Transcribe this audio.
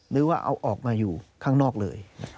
หรือว่าเอาออกมาอยู่ข้างนอกเลย